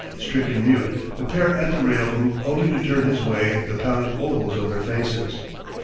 Stricken mute, the pair at the rail moved only to turn his way the pallid ovals of their faces.